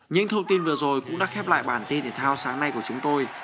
những thông tin vừa rồi cũng đã khép lại bản tin thể thao sáng nay của chúng tôi